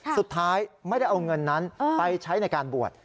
สุดท้ายไม่ได้เอาเงินนั้นไปใช้ในการบวช